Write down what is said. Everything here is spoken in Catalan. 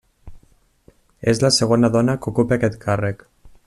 És la segona dona que ocupa aquest càrrec.